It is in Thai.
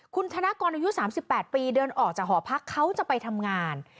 คุณธนกรอายุ๓๘ปีเดินออกจากหอพักเขาจะไปทำงาน